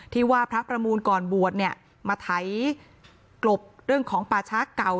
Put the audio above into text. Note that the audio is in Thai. ที่ว่าพระประมูลก่อนบวชเนี่ยมาไถกลบเรื่องของป่าช้าเก่า